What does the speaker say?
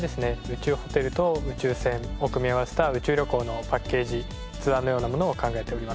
宇宙ホテルと宇宙船を組み合わせた宇宙旅行のパッケージツアーのようなものを考えております。